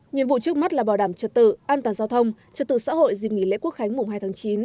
nhiệm vụ trước mắt là bảo đảm trật tự an toàn giao thông trật tự xã hội dịp nghỉ lễ quốc khánh mùng hai tháng chín